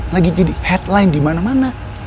lagi jadi headline dimana mana